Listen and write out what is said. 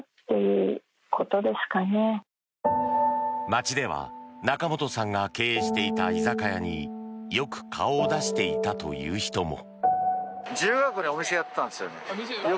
街では仲本さんが経営していた居酒屋によく顔を出していたという人も。